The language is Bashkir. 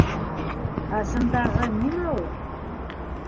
У сындағы нимә ул?